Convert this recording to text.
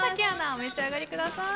お召し上がりください。